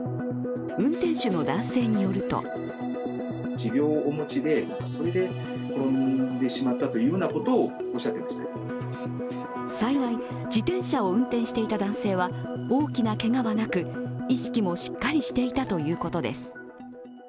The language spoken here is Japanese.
運転手の男性によると幸い自転車を運転していた男性は大きなけがはなく意識もしっかりしていたということです。